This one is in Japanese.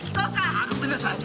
あっごめんなさい。